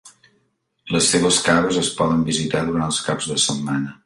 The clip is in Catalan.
Les seves caves es poden visitar durant els caps de setmana.